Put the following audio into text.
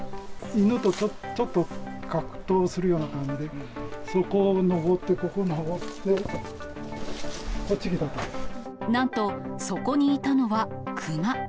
犬とちょっと格闘するような感じで、そこを登って、なんと、そこにいたのはクマ。